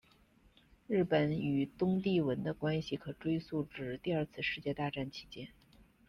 日本与东帝汶的关系可追溯至第二次世界大战期间。